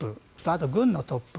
あと軍のトップ